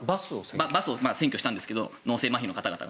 バスを占拠したんですが脳性まひの方々が。